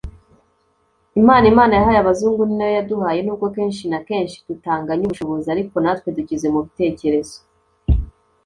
Impano Imana yahaye abazungu ninayo yaduhaye nubwo kenshi na kenshi tutanganya ubushobozi ariko natwe dukize mu bitekerezo